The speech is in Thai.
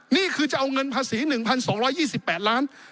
นี่คือจะเอาเงินภาษี๑๒๒๘ล้าน